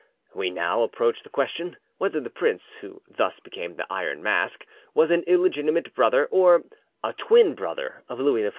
We now approach the question whether the prince who thus became the Iron Mask was an illegitimate brother or a twin brother of Louis XIV.